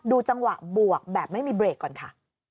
จังหวะบวกแบบไม่มีเบรกก่อนค่ะ